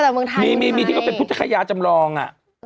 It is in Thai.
แต่เมืองไทยมันไงมีที่เป็นพุทธภัยาจำลอง